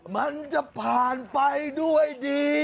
มันจะผ่านไปด้วยดี